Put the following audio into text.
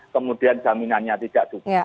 kemudian jaminannya tidak dupuh